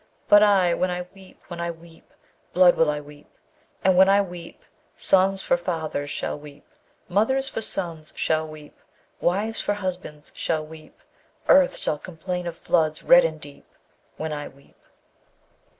But I, when I weep, when I weep, Blood will I weep! And when I weep, Sons for fathers shall weep; Mothers for sons shall weep; Wives for husbands shall weep! Earth shall complain of floods red and deep, When I weep!